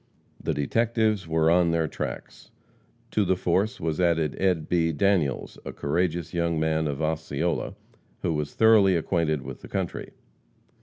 The detectives were on their tracks. To the force was added Ed. B. Daniels, a courageous young man of Osceola, who was thoroughly acquainted with the country.